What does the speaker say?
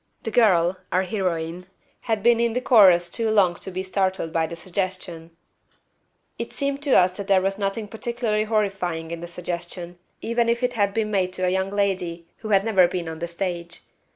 The girl (our heroine) had been in the chorus too long to be startled by the suggestion " It seemed to us that there was nothing particularly horrifying in the suggestion, even if it had been made to a young lady who had never been on the stage.